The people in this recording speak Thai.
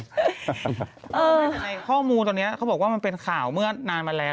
ในข้อมูลตอนนี้เขาบอกว่ามันเป็นข่าวเมื่อนานมาแล้ว